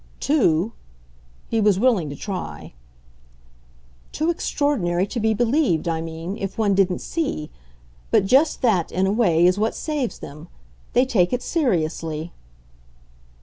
"'Too'?" He was willing to try. "Too extraordinary to be believed, I mean, if one didn't see. But just that, in a way, is what saves them. They take it seriously."